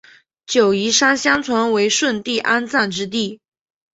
九嶷山相传为舜帝安葬之地。